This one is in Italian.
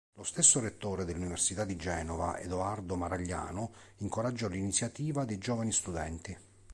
Lo stesso rettore dell'Università di Genova Edoardo Maragliano incoraggiò l'iniziativa dei giovani studenti.